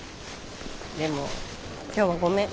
でも今日はごめん。